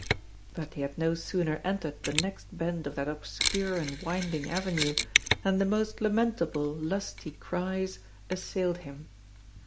But he had no sooner entered the next bend of that obscure and winding avenue than the most lamentable, lusty cries assailed him.